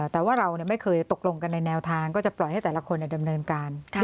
แต่ว่าเราไม่เคยตกลงกันในแนวทางก็จะปล่อยให้แต่ละคนดำเนินการ